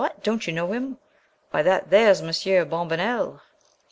don't you know him? Why, that there's Monsieur Bombonnel!"